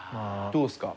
どうっすか？